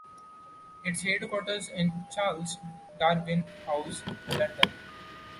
Its headquarters in Charles Darwin House, London.